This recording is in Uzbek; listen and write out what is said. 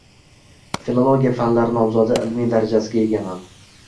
Filologiya fanlari nomzodi ilmiy darajasiga egaman